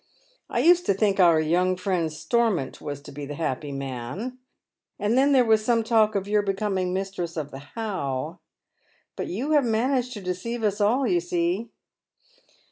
I used to think our young friend Stormont was to be the happy man ; and then there was some talk of your becoming mistress of the How ; but you have managed to deceive us all, you see."